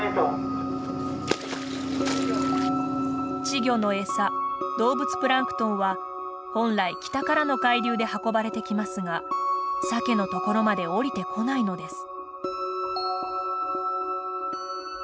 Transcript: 稚魚の餌動物プランクトンは本来北からの海流で運ばれてきますがサケのところまで下りてこないのです。